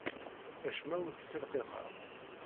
Acemma ur t-ssilqiqeɣ.